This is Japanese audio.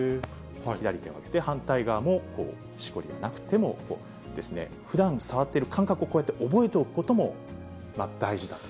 左手を上げて反対側も、こう、しこりがなくても、ふだん触っている感覚を覚えておくことも大事だと。